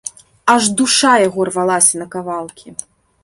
Аж душа яго рвалася на кавалкі.